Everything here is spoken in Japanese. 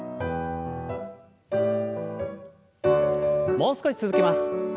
もう少し続けます。